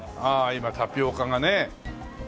今タピオカがね。